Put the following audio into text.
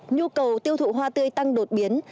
nhu cầu tiêu thụ hoa tươi tăng đột biến